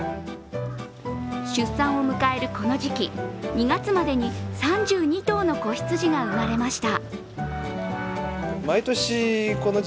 出産を迎えるこの時期、２月までに３２頭の子羊が生まれました。